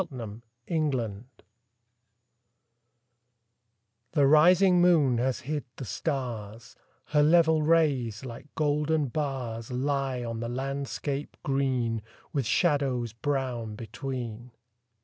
ENDYMION The rising moon has hid the stars; Her level rays, like golden bars, Lie on the landscape green, With shadows brown between.